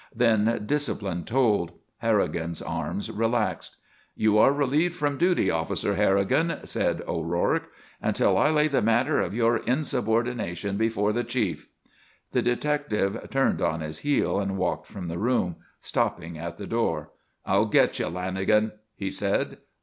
Then discipline told. Harrigan's arms relaxed. "You are relieved from duty, Officer Harrigan," said O'Rourke. "Until I lay the matter of your insubordination before the Chief." The detective turned on his heel and walked from the room, stopping at the door. "I'll get you, Lanagan," he said.